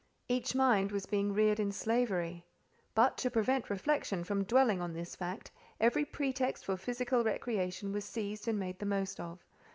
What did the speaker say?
Each mind was being reared in slavery; but, to prevent reflection from dwelling on this fact, every pretext for physical recreation was seized and made the most of.